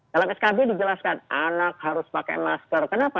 dalam skb dijelaskan anak harus pakai masker kenapa